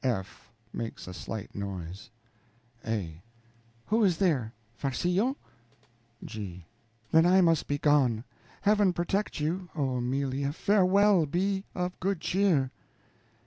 (F. makes a slight noise.) A. Who is there Farcillo? G. Then I must gone. Heaven protect you. Oh, Amelia, farewell, be of good cheer.